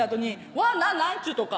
「わななんちゅうとか？」